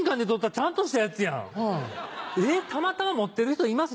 たまたま持ってる人います？